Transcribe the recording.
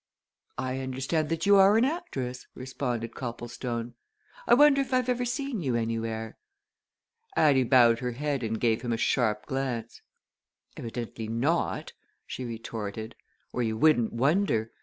"I understand that you are an actress?" responded Copplestone. "I wonder if I've ever seen you anywhere?" Addie bowed her head and gave him a sharp glance. "Evidently not!" she retorted. "Or you wouldn't wonder!